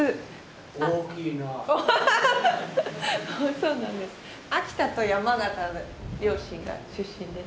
そうなんです。